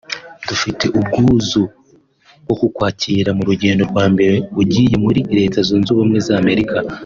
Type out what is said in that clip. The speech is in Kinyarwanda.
Dufite ubwuzu bwo kukwakira mu rugendo rwa mbere ugiriye muri Leta Zunze Ubumwe za Amerika